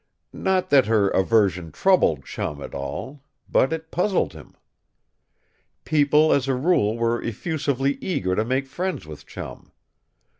Not that her aversion troubled Chum at all; but it puzzled him. People as a rule were effusively eager to make friends with Chum.